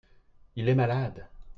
Il est malade.